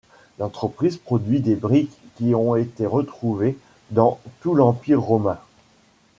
L'entreprise produit des briques qui ont été retrouvées dans tout l'Empire romain.